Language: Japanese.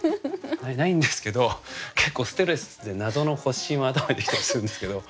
ないんですけど結構ストレスで謎の発疹は頭に出来たりするんですけど。